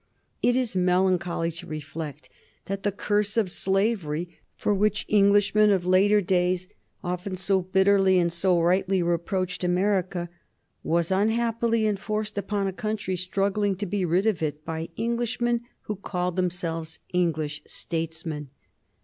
It is melancholy to reflect that the curse of slavery, for which Englishmen of later days often so bitterly and so rightly reproached America, was unhappily enforced upon a country struggling to be rid of it by Englishmen who called themselves English statesmen.